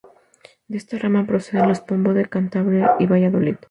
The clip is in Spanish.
De esta rama proceden los Pombo de Cantabria y Valladolid.